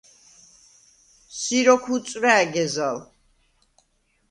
“სი როქუ̂ უწუ̂რა̄̈ გეზალ!”